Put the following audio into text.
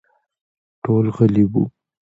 ټول غلي وو.